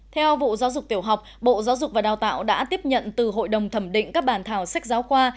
theo vụ giáo dục tiểu học bộ giáo dục và đào tạo đã tiếp nhận từ hội đồng thẩm định các bản thảo sách giáo khoa